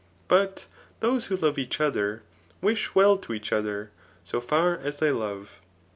But those who love each other, wish well to each other, so far as they love.